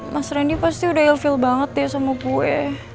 mas randy pasti udah ill feel banget ya sama kue